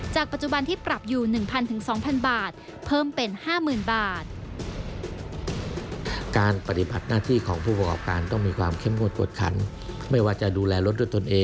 ปัจจุบันที่ปรับอยู่๑๐๐๒๐๐บาทเพิ่มเป็น๕๐๐๐บาท